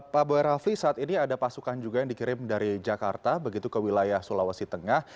pak boy rafli saat ini ada pasukan juga yang dikirim dari jakarta begitu ke wilayah sulawesi tengah